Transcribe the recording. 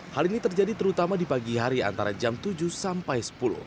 hal ini terjadi terutama di pagi hari antara jam tujuh sampai sepuluh